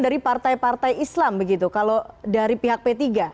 dari partai partai islam begitu kalau dari pihak p tiga